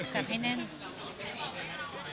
จับให้แน่น